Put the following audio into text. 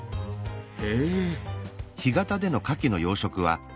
へえ！